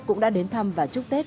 cũng đã đến thăm và chúc tết